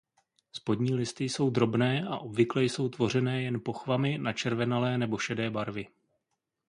Spodní listy jsou drobné a obvykle jsou tvořené jen pochvami načervenalé nebo šedé barvy.